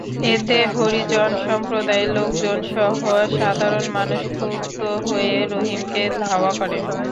এতে হরিজন সম্প্রদায়ের লোকজনসহ সাধারণ মানুষ ক্ষুব্ধ হয়ে রহিমকে ধাওয়া করেন।